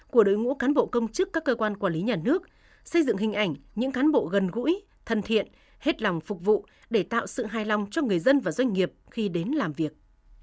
của đội ngũ cán bộ công chức các cơ quan quản lý nhà nước xây dựng hình ảnh những cán bộ gần gũi thân thiện hết lòng phục vụ để tạo sự hài lòng cho người dân và doanh nghiệp khi đến làm việc